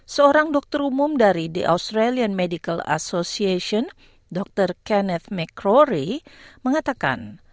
seorang dokter umum dari the australian medical association dr kenneth mccrory mengatakan